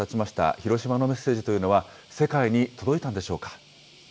広島のメッセージというのは、世界に届いたんでしょうか。